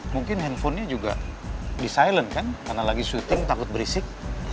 mungkin handphonenya juga desilent kan karena lagi syuting takut berisik